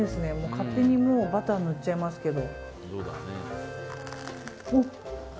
勝手にバター塗っちゃいますけど。